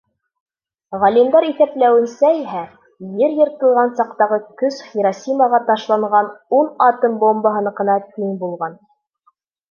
Ғалимдар иҫәпләүенсә иһә, ер йыртылған саҡтағы көс Хиросимаға ташлаған ун атом бомбаһыныҡына тиң булған.